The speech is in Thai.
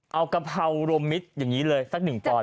เอากะเพรารวมมิตรอย่างนี้เลยสักหนึ่งปอน